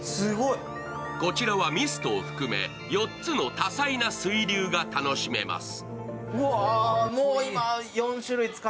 こちらはミストを含め４つの多彩な水流が楽しめます。